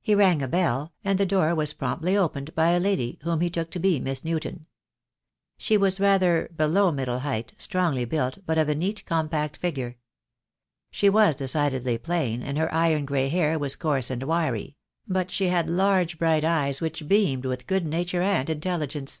He rang a bell, and the door was promptly opened by a lady, whom he took to be Miss Newton. She was rather below middle height, strongly built, but of a neat, compact figure. She was decidedly plain, and her iron grey hair was coarse and wiry; but she had large bright eyes which beamed with good nature and intelligence.